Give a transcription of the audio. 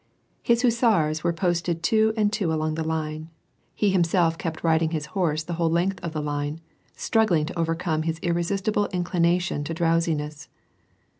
His hus sars were posted two and two along the line ; he himself kept riding his horse the whole length of the line, striiggling to overcome his irresistible inclination to drowsiness.